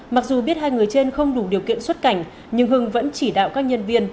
mặc dù biết hai người trên không đủ điều kiện xuất cảnh nhưng hưng vẫn chỉ đạo các nhân viên